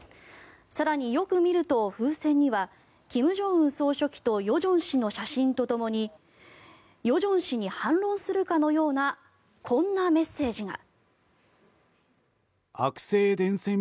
更に、よく見ると風船には金正恩総書記と与正氏の写真とともに与正氏に反論するかのようなこんなメッセージが。